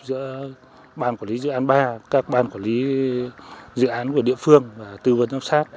giữa ban quản lý dự án ba các ban quản lý dự án của địa phương và tư vấn giám sát